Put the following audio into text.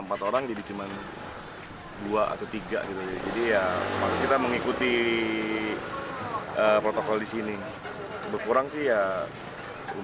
empat orang jadi cuman dua atau tiga gitu jadi ya kita mengikuti protokol di sini berkurang sih ya